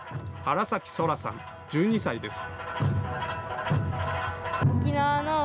新崎青空さん１２歳です。